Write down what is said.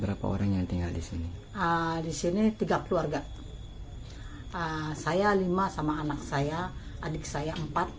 berapa orang yang tinggal di sini di sini tiga keluarga saya lima sama anak saya adik saya empat